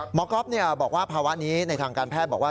ก๊อฟบอกว่าภาวะนี้ในทางการแพทย์บอกว่า